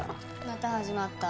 また始まった。